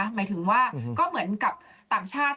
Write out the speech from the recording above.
หมายถึงว่าก็เหมือนกับต่างชาติ